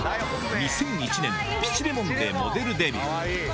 ２００１年、ピチレモンでモデルデビュー。